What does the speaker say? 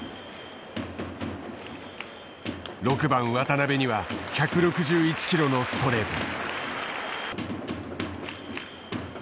６番渡部には１６１キロのストレート。